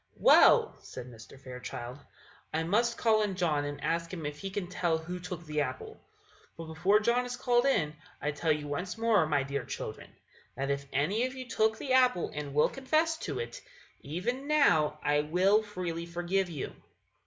"Well," said Mr. Fairchild, "I must call in John, and ask him if he can tell who took the apple. But before John is called in, I tell you once more, my dear children, that if any of you took the apple and will confess it, even now I will freely forgive you."